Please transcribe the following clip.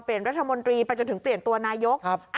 รัฐมนตรีไปจนถึงเปลี่ยนตัวนายก